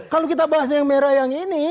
kalau kita bahas yang merah yang ini